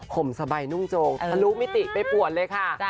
ผมสบายนุ่งโจงทะลุมิติไปปวดเลยค่ะ